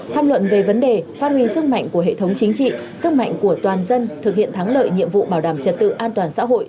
tham luận về vấn đề phát huy sức mạnh của hệ thống chính trị sức mạnh của toàn dân thực hiện thắng lợi nhiệm vụ bảo đảm trật tự an toàn xã hội